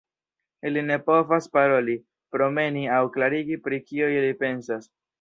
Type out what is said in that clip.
Ili ne povas paroli, promeni aŭ klarigi pri kio ili pensas.